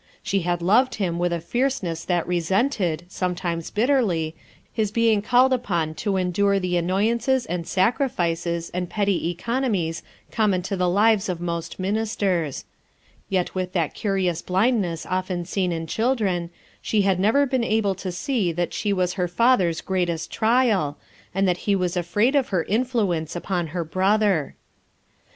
She had loved him with a fierceness that resented, sometimes bitterly, his being called upon to endure the annoyances and sacrifices and petty economies common to the lives of most ministers; yet with that cu rious blindness often seen in children, she had 32 FOUR MOTHERS AT CHAUTAUQUA never been able to see that she was her father's greatest trial, and that he was afraid of her influence upon her brother.